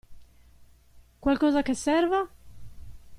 Qualcosa che serva?